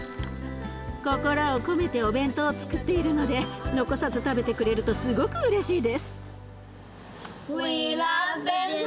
心を込めてお弁当をつくっているので残さず食べてくれるとすごくうれしいです。